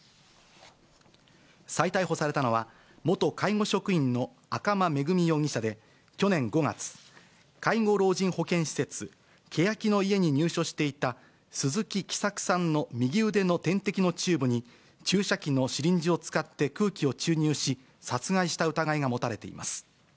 再逮捕されたのは、元介護職員の赤間恵美容疑者で、去年５月、介護老人保健施設、けやきの舎に入所していた鈴木喜作さんの右腕の点滴のチューブに注射器のシリンジを使って空気を注入し、殺害した疑いが持たれています。